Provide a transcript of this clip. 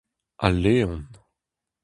Al Leon.